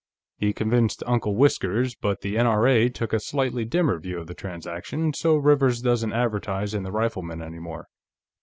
"He convinced Uncle Whiskers, but the N.R.A. took a slightly dimmer view of the transaction, so Rivers doesn't advertise in the Rifleman any more."